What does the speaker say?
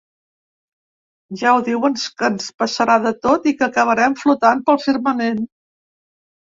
Ja ho diuen que ens passarà de tot i que acabarem flotant pel firmament.